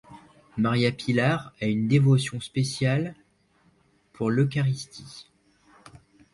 María Pilar a une dévotion spéciale pour l’Eucharistie.